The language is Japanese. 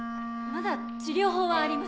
まだ治療法はあります。